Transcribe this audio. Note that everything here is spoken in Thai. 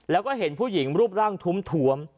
แล้วก็เห็นผู้หญิงรูปร่างถวม